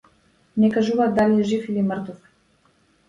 Не кажуваат дали е жив или мртов.